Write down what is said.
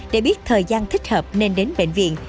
để biết thời gian thích hợp nên đến bệnh viện